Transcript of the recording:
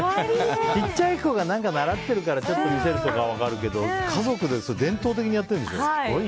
ちっちゃい子が何か習ってるから見せるというのは分かるけど家族で伝統的にやってるんでしょ。